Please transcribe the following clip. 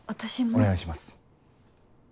お願いします。